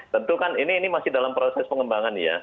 tentu kan ini masih dalam proses pengembangan ya